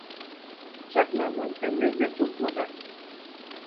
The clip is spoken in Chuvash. Ҫакна мӗн тӗллевпе тунӑ-ха?